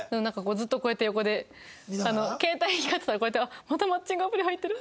ずっとこうやって横で携帯光ってたらこうやってまたマッチングアプリ入ってる！